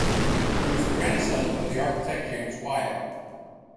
He was the grandson of the architect James Wyatt.